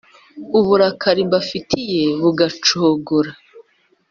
uburakari mbafitiye bugacogora,